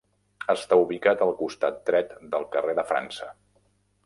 Està ubicat al costat dret del carrer de França.